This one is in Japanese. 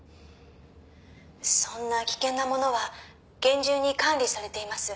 「そんな危険なものは厳重に管理されています」